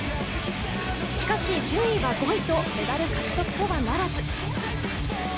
しかし順位は５位とメダル獲得とはならず。